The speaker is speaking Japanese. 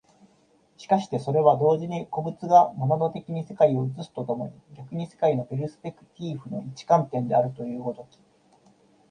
しかしてそれは同時に個物がモナド的に世界を映すと共に逆に世界のペルスペクティーフの一観点であるという如き、